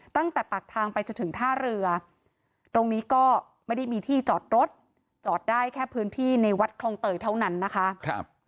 ตั้งแต่ปากทางไปจนถึงท่าเรือตรงนี้ก็ไม่ได้มีที่จอดรถจอดได้แค่พื้นที่ในวัดคลองเตยเท่านั้นนะคะ